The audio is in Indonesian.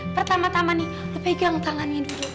pertama tama nih lu pegang tangannya dulu